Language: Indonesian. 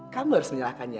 kamu harus menyalahkannya